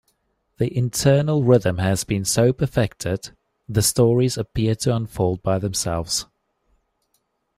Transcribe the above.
The internal rhythm has been so perfected, the stories appear to unfold by themselves.